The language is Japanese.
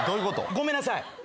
ごめんなさい。